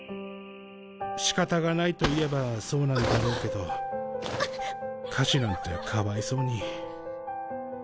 仕方がないと言えばそうなんだろうけど下賜なんてかわいそうに。